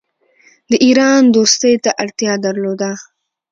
د ایران دوستی ته اړتیا درلوده.